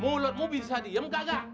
mut mulutmu bisa diam kakak